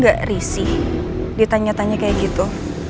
gak risih ditanya tanya kayak gitu